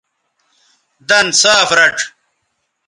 دَن صاف رَڇھ